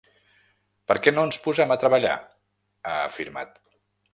Per què no ens posem a treballar?, ha afirmat.